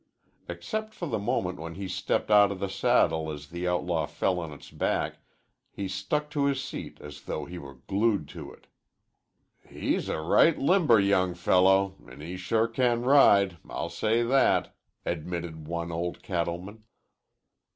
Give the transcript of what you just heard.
Except for the moment when he stepped out of the saddle as the outlaw fell on its back, he stuck to his seat as though he were glued to it. "He's a right limber young fellow, an' he sure can ride. I'll say that," admitted one old cattleman.